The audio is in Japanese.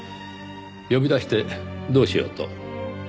呼び出してどうしようと？